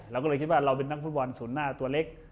เราก็เลยคิดว่าเราเป็นนักฟุตบอลศูนย์หน้าตัวเล็ก